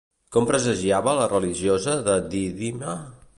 Com presagiava la religiosa de Dídima?